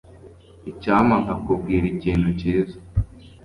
Icyampa nkakubwira ikintu cyiza.